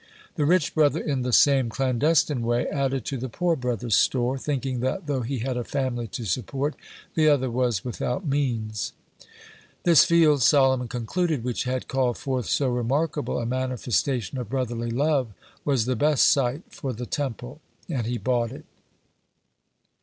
The rich brother, in the same clandestine way, added to the poor brother's store, thinking that though he had a family to support, the other was without means. This field, Solomon concluded, which had called forth so remarkable a manifestation of brotherly love, was the best site for the Temple, and he bought it.